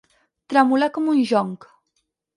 Tremolar com un jonc.